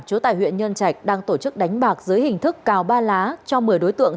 trú tại huyện nhân trạch đang tổ chức đánh bạc dưới hình thức cào ba lá cho một mươi đối tượng